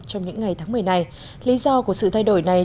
trong những ngày tháng một mươi này lý do của sự thay đổi này